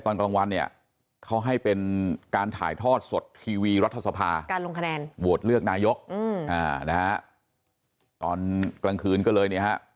ตอนกลางคืนก็เลย